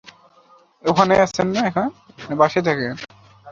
Al Azhar শিয়াদের নিন্দা জানিয়ে একটি বইও প্রকাশ করেছেন।